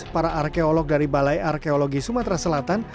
para arkeolog dari balai arkeologi sumatera selatan